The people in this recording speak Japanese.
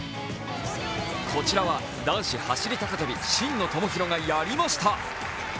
こちらは男子走高跳、真野友博がやりました。